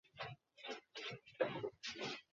সে আমার অতি প্রিয় মানুষ ছিল।